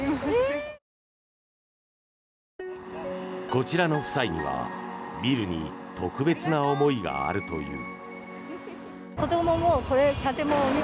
こちらの夫妻にはビルに特別な思いがあるという。